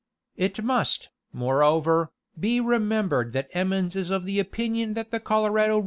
It must, moreover, be remembered that Emmons* is of the opinion that the Colorado.